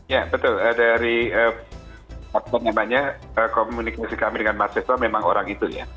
ya betul dari komunikasi kami dengan mahasiswa memang orang itu ya